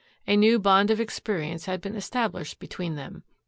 A new bond of experience had been established between them.